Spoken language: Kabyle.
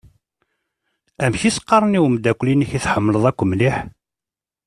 Amek i s-qqaṛen i umdakel-inek i tḥemmleḍ akk mliḥ.